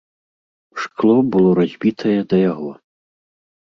Шкло было разбітае да яго.